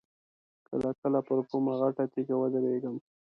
کله کله پر کومه غټه تیږه ودرېږم.